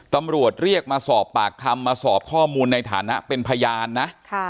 ตำรวจเรียกมาสอบปากคำมาสอบข้อมูลในฐานะเป็นพยานนะ